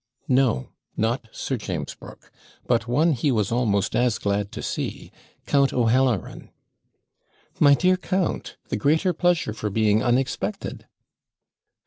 No, not Sir James Brooke; but one he was almost as glad to see Count O'Halloran! 'My dear count! the greater pleasure for being unexpected.'